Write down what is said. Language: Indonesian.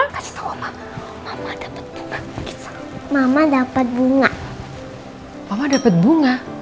kasih tau mama mama dapet bunga